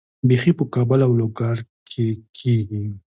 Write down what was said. بیحي په کابل او لوګر کې کیږي.